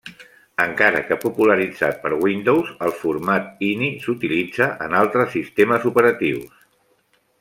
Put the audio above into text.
Encara que popularitzat per Windows el format Ini s'utilitza en altres sistemes operatius.